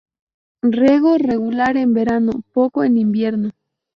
Riego regular en verano, poco en invierno.